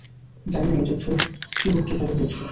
জানিনা এই যুদ্ধ শুরু কিভাবে হয়েছিল।